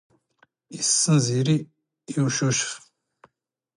ⵉⵙⵙⵏ ⵣⵉⵔⵉ ⵉ ⵓⵛⵓⵛⴼ.